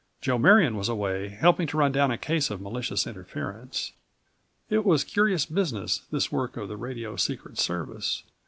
Joe Marion was away helping to run down a case of "malicious interference." It was curious business, this work of the radio secret service.